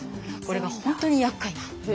これが本当にやっかい。